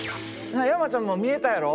山ちゃんも見えたやろ？